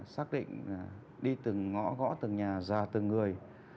xác định đi từng ngõ gõ từng nhà ra từng người